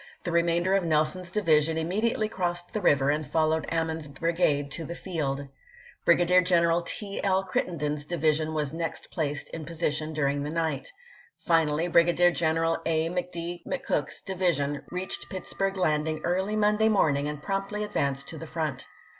The remainder of Nelson's divi sion immediately crossed the river and followed Ammen's brigade to the field. Brigadier General T. L. Crittenden's division was next placed in posi tion during the night. Finally Brigadier General A. McD. McCook's division reached Pittsburg Landing early Monday morning and promptly ad vanced to the front.